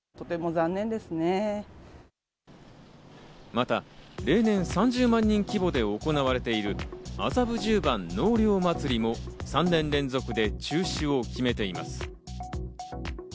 また例年３０万人規模で行われている麻布十番納涼まつりも３年連続で中止を決めています。